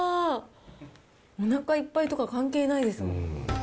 おなかいっぱいとか関係ないですもん。